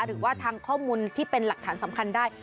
หรือว่าทางข้อมูลที่เป็นหลักฐานสำคัญได้